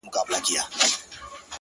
o زما سره يې دومره ناځواني وكړله ؛